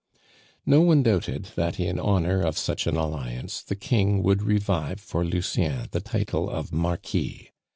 No one doubted that in honor of such an alliance the King would revive for Lucien the title of Marquis.